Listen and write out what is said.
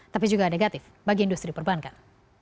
tapi juga negatif bagi industri perbankan